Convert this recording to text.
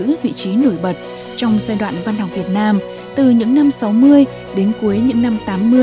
những vị trí nổi bật trong giai đoạn văn học việt nam từ những năm sáu mươi đến cuối những năm tám mươi